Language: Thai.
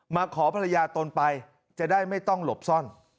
มาขอภรรยาตนไปจะได้ไม่ต้องหลบซ่อน